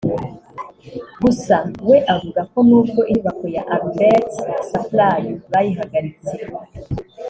Gusa we avuga ko nubwo inyubako ya Albert Supply bayihagaritse